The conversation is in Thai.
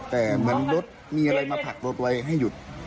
แต่เหมือนรถมีอะไรมาผลักรถไว้ให้หยุด